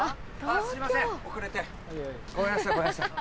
・すいません遅れて・ごめんなさいごめんなさい